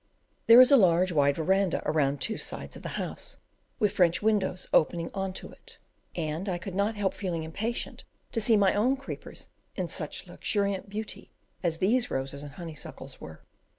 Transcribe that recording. There is a large wide verandah round two sides of the house, with French windows opening into it; and I could not help feeling impatient to see my own creepers in such luxuriant, beauty as these roses and honeysuckles were.